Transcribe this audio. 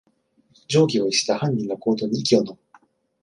常軌を逸した犯人の行動に息をのむ